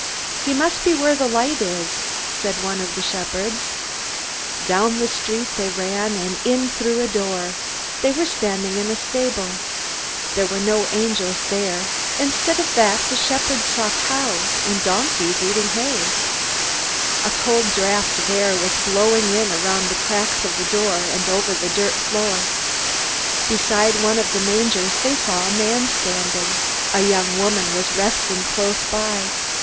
"He must be where the light is," said one of the shepherds. Down the street they ran, and in through a door. They were standing in a stable. There were no angels there. Instead of that, the shepherds saw cows and donkeys eating hay. A cold draft of air was blowing in around the cracks of the door and over the dirt floor. Beside one of the mangers they saw a man standing. A young woman was resting close by.